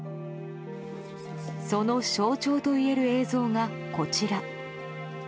その象徴といえる映像がこちら。